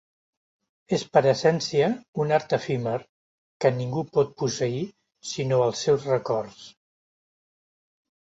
És per essència un art efímer que ningú pot posseir sinó als seus records.